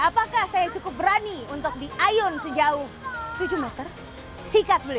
apakah saya cukup berani untuk diayun sejauh tujuh meter singkat beli